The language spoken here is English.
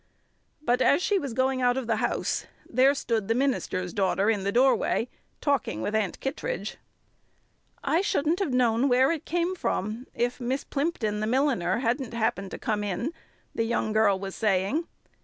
But as she was going out of the house, there stood the minister's daughter in the doorway, talking with Aunt Kittredge. "I shouldn't have known where it came from if Miss Plympton, the milliner, hadn't happened to come in," the young girl was saying.